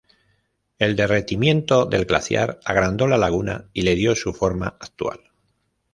El derretimiento del glaciar agrandó la laguna y le dio su forma actual.